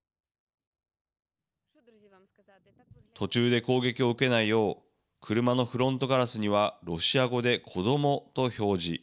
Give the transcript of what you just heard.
途中で攻撃を受けないよう車のフロントガラスにはロシア語で「子ども」と表示。